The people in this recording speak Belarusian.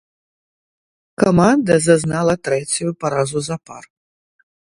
Каманда зазнала трэцюю паразу запар.